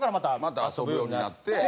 また遊ぶようになって。